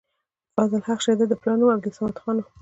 فضل حق شېدا د پلار نوم عبدالصمد خان وۀ